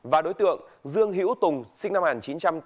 và đối tượng dương hiễu tùng sinh năm hàn chín trăm tám mươi năm